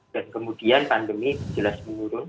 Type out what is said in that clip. dan kemudian pandemi jelas menurun